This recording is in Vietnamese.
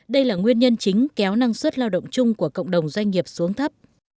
đây là nguyên nhân chính kéo năng suất lao động chung của cộng đồng doanh nghiệp xuống thấp